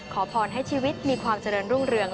ขอพรให้ชีวิตมีความเจริญรุ่งเรือง